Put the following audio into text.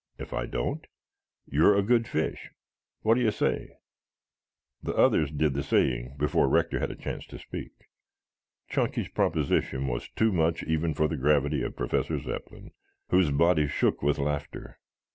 If I don't, you are a good fish. What do you say?" The others did the saying before Rector had a chance to speak. Chunky's proposition was too much even for the gravity of Professor Zepplin, whose body shook with laughter.